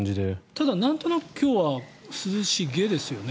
ただ、なんとなく今日は涼しげですよね。